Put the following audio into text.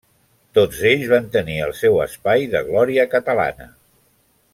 Tots ells van tenir el seu espai de glòria catalana.